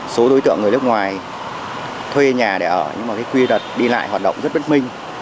số đối tượng người nước ngoài thuê nhà để ở nhưng mà cái quy đặt đi lại hoạt động rất bất minh